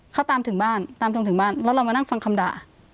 เขาตามถึงบ้านตามจนถึงบ้านแล้วเรามานั่งฟังคำด่า